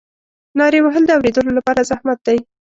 نارې وهل د اورېدلو لپاره زحمت دی.